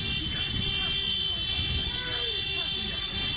กินการไม่เชิญ